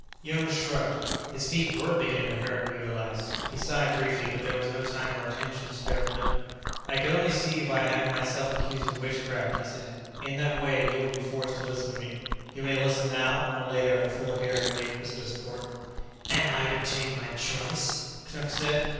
Jonas shrugged. His feet were beginning to hurt, he realized; he sighed briefly, but there was no time or attention to spare for them. "I could only see you by having myself accused of witchcraft," he said. "In that way, you would be forced to listen to me. You may listen now, or later at a full hearing of the Inquisitor's Court." "And I am to take my choice?" Knupf said.